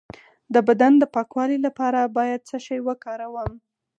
د بدن د پاکوالي لپاره باید څه شی وکاروم؟